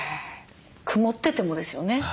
曇っててもですよね。